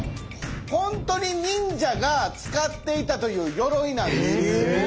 本当に忍者が使っていたというよろいなんです。